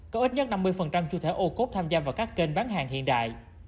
có ít nhất năm mươi chủ thể ô cốt tham gia vào các kênh bán hàng hiện đại